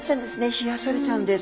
冷やされちゃうんです。